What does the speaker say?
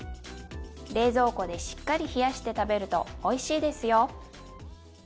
冷蔵庫でしっかり冷やして食べるとおいしいですよ。